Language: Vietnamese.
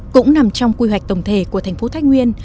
cũng nằm trong quy hoạch tổng thể của thành phố thái nguyên